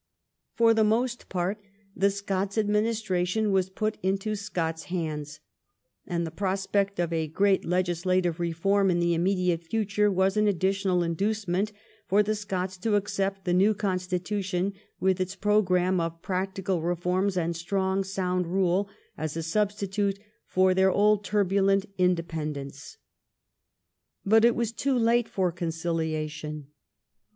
For the most part the Scots administration Avas put into Scots hands ; and the prospect of a great legislative reform in the immediate future Avas an additional induce ment for the Scots to accept the ncAv constitution, Avith its programme of practical reforms and strong sound rule, as a substitute for their old turbulent independ ence. But it Avas too late for conciliation.